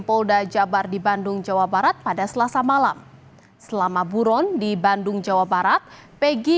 polda jabar di bandung jawa barat pada selasa malam selama buron di bandung jawa barat pegi